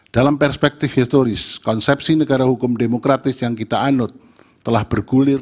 dalam perspektif historis konsepsi negara hukum demokratis yang kita anut telah bergulir